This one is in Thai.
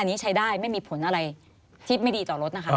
อันนี้ใช้ได้ไม่มีผลอะไรที่ไม่ดีต่อรถนะคะ